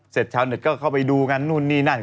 เสร็จชาวเหนือก็เข้าไปดูกันนู่นนี่นั่น